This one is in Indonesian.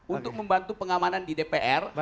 untuk membantu pengamanan di dpr